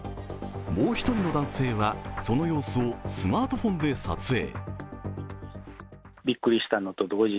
もう１人の男性はその様子をスマートフォンで撮影。